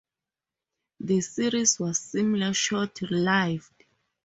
This series was similarly short-lived.